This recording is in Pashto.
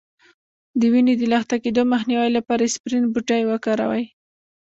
د وینې د لخته کیدو مخنیوي لپاره اسپرین بوټی وکاروئ